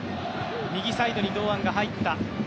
右サイドに堂安が入った。